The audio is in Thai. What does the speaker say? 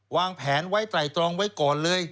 วางแผนไว้ไตรตรองไว้ก่อนเลย